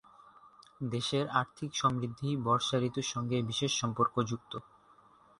দেশের আর্থিক সমৃদ্ধি বর্ষা ঋতুর সঙ্গে বিশেষ সম্পর্কযুক্ত।